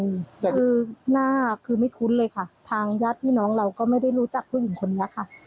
คือหน้าคือไม่คุ้นเลยค่ะทางญาติพี่น้องเราก็ไม่ได้รู้จักผู้หญิงคนนี้ค่ะ